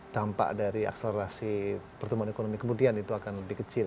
dampak dari akselerasi pertumbuhan ekonomi kemudian itu akan lebih kecil